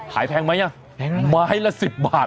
สายแพงหรือยังไม้ละสิบบาท